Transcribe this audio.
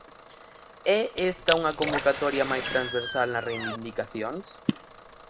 É esta unha convocatoria máis transversal nas reivindicacións?